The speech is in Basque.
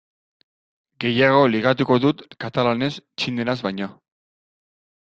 Gehiago ligatuko dut katalanez txineraz baino.